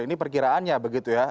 ini perkiraannya begitu ya